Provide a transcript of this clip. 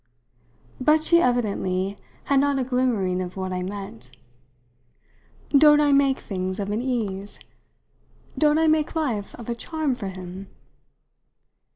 But she evidently had not a glimmering of what I meant. "Don't I make things of an ease, don't I make life of a charm, for him?"